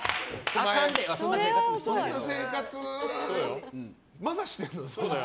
そんな生活まだしてるの？